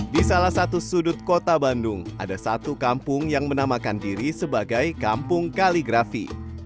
di salah satu sudut kota bandung ada satu kampung yang menamakan diri sebagai kampung kaligrafi